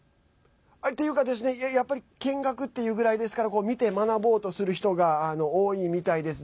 やっぱり見学っていうぐらいですから見て学ぼうとする人が多いみたいです。